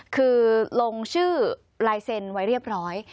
คือลงชื่อลายเซ็นไว้เรียบร้อย